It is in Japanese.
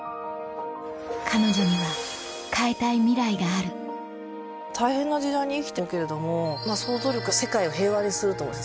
彼女には変えたいミライがある大変な時代に生きてるけれども想像力は世界を平和にすると思う